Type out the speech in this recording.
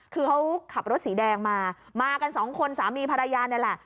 คือเขาขับรถสีแดงมามากันสองคนสามีภรรยานี่แหละ